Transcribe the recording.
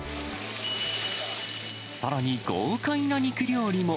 さらに豪快な肉料理も。